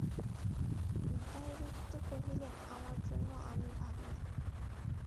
উদয়াদিত্য কহিলেন, আমার জন্য আমি ভাবি না।